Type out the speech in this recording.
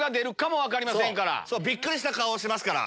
びっくりした顔しますから。